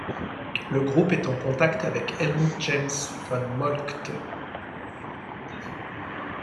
Le groupe est en contact avec Helmuth James von Moltke.